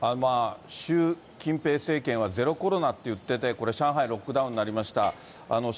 習近平政権はゼロコロナっていってて、これ、上海、ロックダウンになりました。